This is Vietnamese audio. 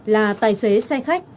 là tài xế xe khách